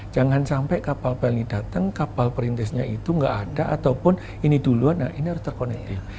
jangan sampai kapal peli datang kapal perintisnya itu nggak ada ataupun ini duluan nah ini harus terkonektif